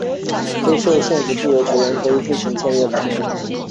非受限自由球员可以自行选择签约的球队。